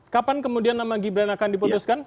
kapan kemudian nama gibran akan diputuskan